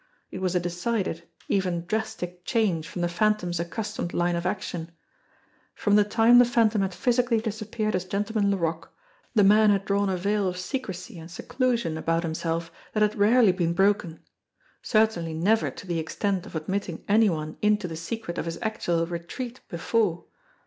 It was a decided, even drastic change from the Phantom's accustomed line of action. From the time the Phantom had physically disappeared as Gentleman Laroque, the man had drawn a veil of secrecy and seclusion about himself that had rarely been broken certainly never to the extent of admitting any one into the secret of his actual retreat before.